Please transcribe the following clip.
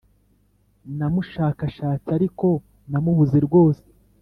Namushakashatse ariko namubuze rwose